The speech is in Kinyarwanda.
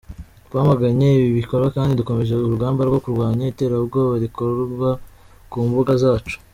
Twamaganye ibi bikorwa kandi dukomeje urugamba rwo kurwanya iterabwoba rikorerwa ku mbuga zacu.